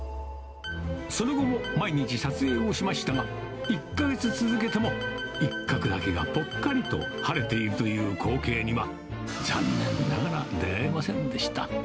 その後も毎日撮影をしましたが、１か月続けても、一角だけがぽっかりと晴れているという光景には残念ながら出会えませんでした。